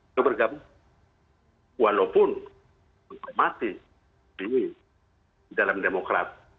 itu bergabung walaupun menikmati diri dalam demokrat